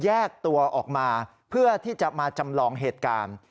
แยกตัวออกมาเพื่อที่จะมาจำลองเหตุการณ์